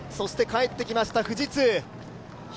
帰ってきました富士通。